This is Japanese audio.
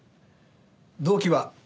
動機は？